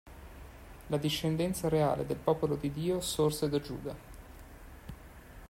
La discendenza reale del popolo di Dio sorse da Giuda.